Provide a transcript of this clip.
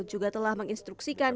juga telah menginstruksikan